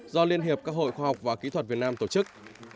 do liên hiệp các hội khoa học và kỹ thuật việt nam tổ chức